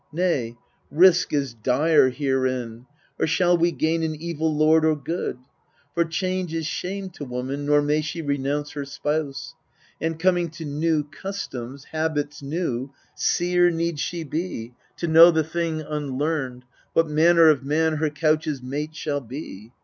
Nay, risk is dire herein or shall we gain An evil lord or good ? For change is shame To woman, nor may she renounce her spouse. And, coming to new customs, habits new, Seer need she be, to know the thing unlearned, What manner of man her couch's mate shall be.